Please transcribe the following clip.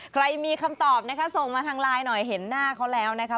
ใครมีคำตอบนะคะส่งมาทางไลน์หน่อยเห็นหน้าเขาแล้วนะคะ